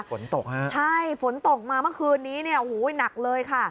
ฝนตกครับใช่ฝนตกมาเมื่อคืนนี้หนักเลยค่ะ